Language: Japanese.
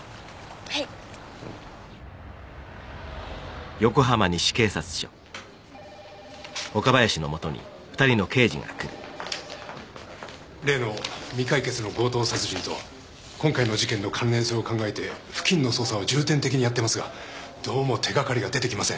はい例の未解決の強盗殺人と今回の事件の関連性を考えて付近の捜査を重点的にやってますがどうも手がかりが出てきません